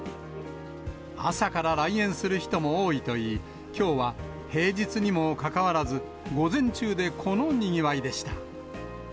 朝から来園する人も多いといい、きょうは平日にもかかわらず、午前中でこのにぎわいでした。